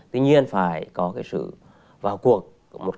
tuy nhiên phải có cái sự vào cuộc một cách dụng